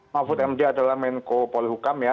mahfud md adalah menko polhukam ya